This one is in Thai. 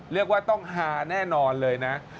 เรียกว่าต้องฮาแน่นอนเลยนะ